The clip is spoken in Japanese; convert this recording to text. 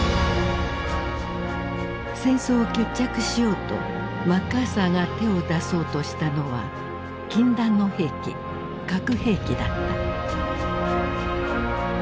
戦争を決着しようとマッカーサーが手を出そうとしたのは禁断の兵器核兵器だった。